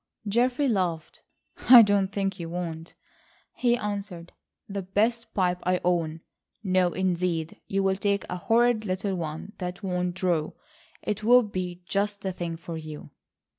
Geoffrey laughed. "I think you won't," he answered. "The best pipe I own! No, indeed, you'll take a horrid little one that won't draw. It will be just the thing for you."